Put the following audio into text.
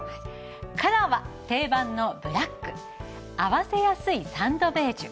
カラーは定番のブラック合わせやすいサンドベージュ